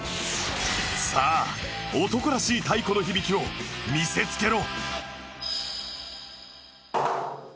さあ男らしい太鼓の響きを見せつけろ！